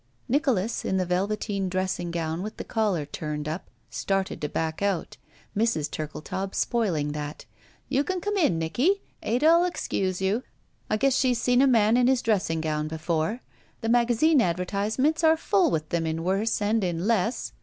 Nicholas, in the velveteen dressing gown with the collar turned up, started to back out, Mrs. Turlde taub spoiling that. •'You can come in, Nicky. Ada 11 excuse you. I guess she's seen a man in his dressing gown before; the magazine advertisements are full with them in worse and in less